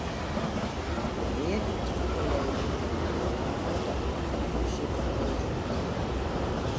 De mearheid fan de leden wol hawwe dat de kontribúsje ferlege wurdt.